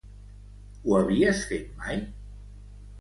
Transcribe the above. Ho havies fet mai?